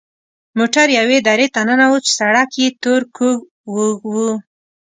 موټر یوې درې ته ننوت چې سړک یې تور کوږ وږ و.